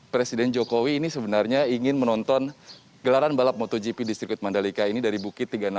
presiden jokowi ini sebenarnya ingin menonton gelaran balap motogp di sirkuit mandalika ini dari bukit tiga ratus enam puluh